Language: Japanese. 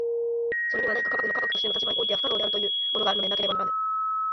それには何か科学の科学としての立場においては不可能であるというものがあるのでなければならぬ。